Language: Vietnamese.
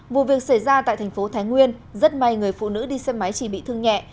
vụ việc xảy ra tại thành phố thái nguyên rất may người phụ nữ đi xe máy chỉ bị thương nhẹ